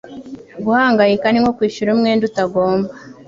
Guhangayika ni nko kwishyura umwenda utagomba.